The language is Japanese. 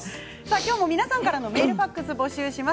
今日も皆さんからのメール、ファックスを募集します。